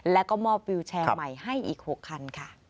แล้วก็มอบวิวแชร์ใหม่ให้อีก๖คันค่ะ